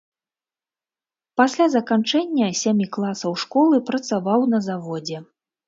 Пасля заканчэння сямі класаў школы працаваў на заводзе.